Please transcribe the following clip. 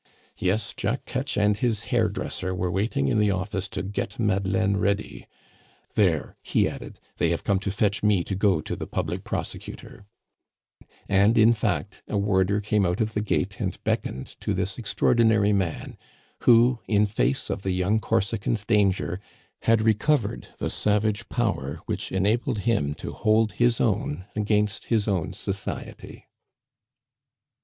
"Yes, Jack Ketch and his hairdresser were waiting in the office to get Madeleine ready. There," he added, "they have come to fetch me to go to the public prosecutor." And, in fact, a warder came out of the gate and beckoned to this extraordinary man, who, in face of the young Corsican's danger, had recovered his own against his own society.